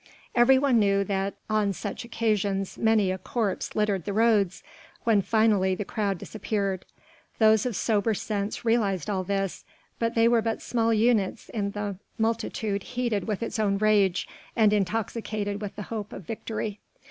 Every one knew that on such occasions many a corpse littered the roads when finally the crowd disappeared. Those of sober sense realized all this, but they were but small units in this multitude heated with its own rage, and intoxicated with the first hope of victory.